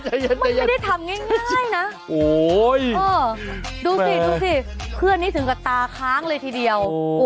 ไม่ได้ทำง่ายนะดูสิดูสิเพื่อนนี้ถึงกับตาค้างเลยทีเดียว